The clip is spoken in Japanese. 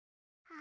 あ。